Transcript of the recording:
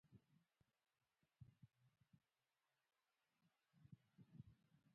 مس د افغانستان د فرهنګي فستیوالونو برخه ده.